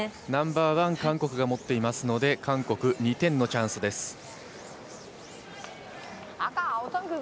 ナンバーワンは韓国が持っていますので韓国、２点のチャンスです。